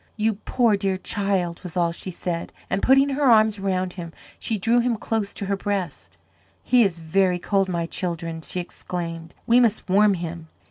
"You poor, dear child," was all she said, and putting her arms around him, she drew him close to her breast. "He is very cold, my children," she exclaimed. "We must warm him."